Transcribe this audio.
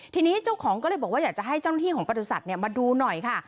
ทีนี้เจ้าของก็เลยบอกว่าอยากจะให้เจ้าหน้าที่ของประสุทธิ์มาดูหน่อยค่ะ